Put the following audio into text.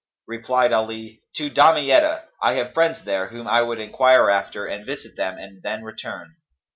Replied Ali, "To Damietta: I have friends there, whom I would enquire after and visit them and then return."